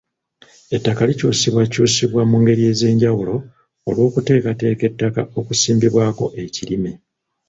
Ettaka likyusibwakyusibwa mu ngeri ez’enjawulo olw’okuteekateeka ettaka okusimbibwako ekirime.